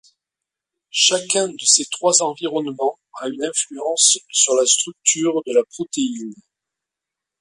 Chacun de ces trois environnements a une influence sur la structure de la protéine.